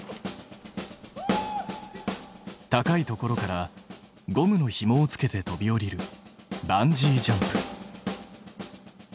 高い所からゴムのひもをつけて飛び降りるバンジージャンプ。